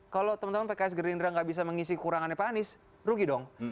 kalau teman teman pks gerindra nggak bisa mengisi kekurangannya pak anies rugi dong